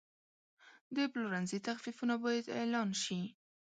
د پلورنځي تخفیفونه باید اعلان شي.